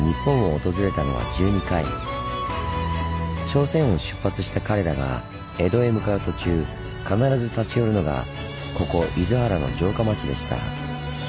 朝鮮を出発した彼らが江戸へ向かう途中必ず立ち寄るのがここ厳原の城下町でした。